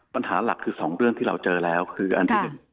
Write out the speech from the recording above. ปัญหาหลักคือ๒เรื่องที่เราเจอแล้วคืออันที่๑